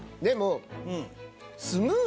でも。